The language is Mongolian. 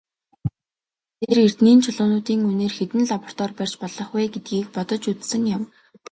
Тэр эрдэнийн чулуунуудын үнээр хэдэн лаборатори барьж болох вэ гэдгийг бодож үзсэн юм.